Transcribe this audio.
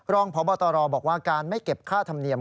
รองพบตรบอกว่าการไม่เก็บค่าธรรมเนียม